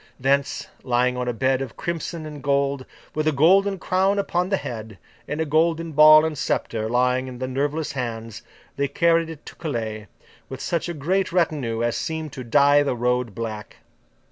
Thence, lying on a bed of crimson and gold, with a golden crown upon the head, and a golden ball and sceptre lying in the nerveless hands, they carried it to Calais, with such a great retinue as seemed to dye the road black.